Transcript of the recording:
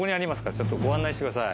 ちょっとご案内してください。